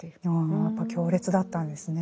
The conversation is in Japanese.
あやっぱ強烈だったんですね。